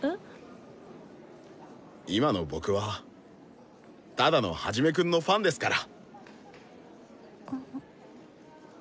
今の僕はただのハジメくんのファンですから。